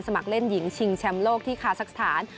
เล่นหญิงชิงแชมป์โลกที่คาซักสถาน